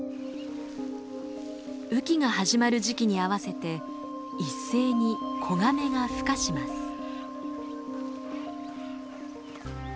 雨季が始まる時期に合わせて一斉に子ガメが孵化します。